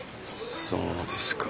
そうですか。